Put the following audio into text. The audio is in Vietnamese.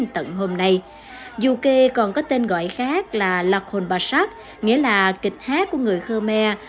tận hôm nay du ke còn có tên gọi khác là lakhon basak nghĩa là kịch hát của người khmer